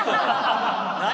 何？